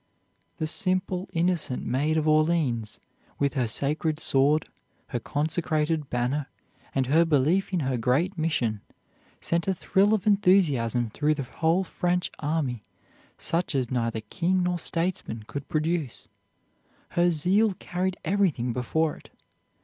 The simple, innocent Maid of Orleans with her sacred sword, her consecrated banner, and her belief in her great mission, sent a thrill of enthusiasm through the whole French army such as neither king nor statesmen could produce. Her zeal carried everything before it.